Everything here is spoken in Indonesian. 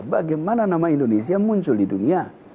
bagaimana nama indonesia muncul di dunia